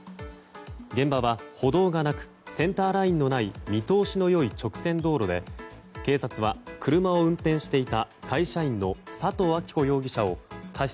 現場は歩道がなくセンターラインのない見通しの良い直線道路で警察は車を運転していた会社員の佐藤暉子容疑者を過失